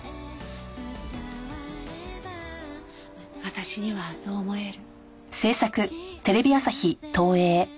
私にはそう思える。